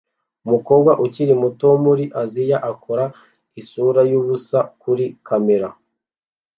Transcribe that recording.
Umukobwa ukiri muto wo muri Aziya akora isura yubusa kuri kamera